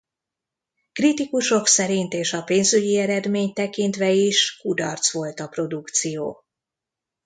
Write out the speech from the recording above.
Kritikusok szerint és a pénzügyi eredményt tekintve is kudarc volt a produkció.